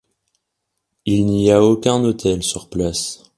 Il n'y a aucun hôtel sur place.